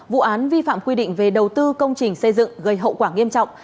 vụ án vi phạm quy định về đầu tư công trình xây dựng gây hậu quả nghiêm trọng